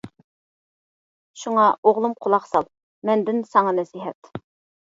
شۇڭا ئوغلۇم قۇلاق سال، مەندىن ساڭا نەسىھەت.